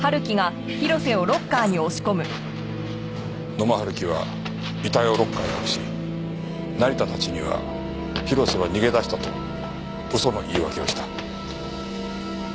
野間春樹は遺体をロッカーに隠し成田たちには広瀬は逃げ出したと嘘の言い訳をした。